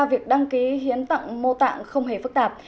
việc đăng ký hiện tạng mô tả không hề phức tạp